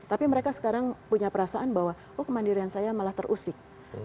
tapi mereka sekarang punya perasaan bahwa oh kemandirian saya malah terusik